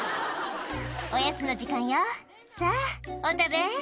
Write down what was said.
「おやつの時間よさぁお食べ」